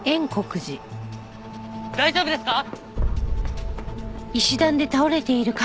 大丈夫ですか？